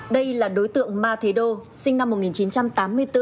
đây là đối tượng ma thế đô sinh năm một nghìn chín trăm tám mươi bốn